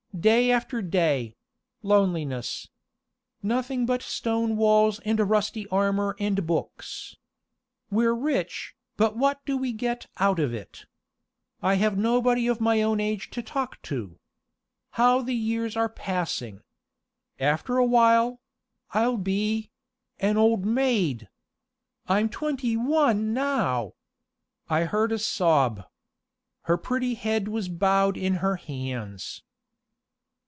Day after day loneliness. Nothing but stone walls and rusty armor and books. We're rich, but what do we get out of it? I have nobody of my own age to talk to. How the years are passing! After a while I'll be an old maid. I'm twenty one now!" I heard a sob. Her pretty head was bowed in her hands.